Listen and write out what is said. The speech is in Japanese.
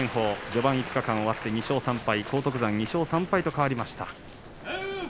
序盤５日間終わって２勝３敗荒篤山２勝３敗と変わりました。